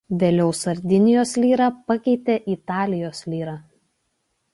Vėliau Sardinijos lirą pakeitė Italijos lira.